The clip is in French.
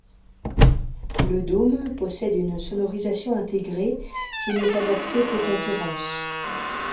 Le dôme possède une sonorisation intégrée qui n'est adaptée qu'aux conférences.